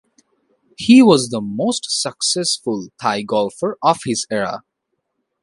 He was the most successful Thai golfer of his era.